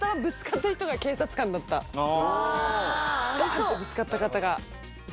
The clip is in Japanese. ドンッてぶつかった方が。